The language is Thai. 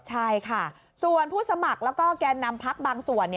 ใช่ค่ะส่วนผู้สมัครแล้วก็แก่นำพักบางส่วน